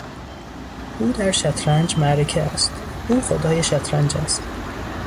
او در شطرنج معرکه است، او خدای شطرنج است.